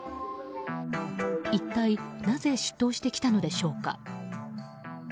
一体なぜ出頭してきたのでしょうか。